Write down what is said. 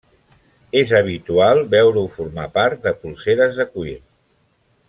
És habitual veure-ho formar part de polseres de cuir.